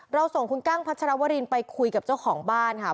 ส่งคุณกั้งพัชรวรินไปคุยกับเจ้าของบ้านค่ะ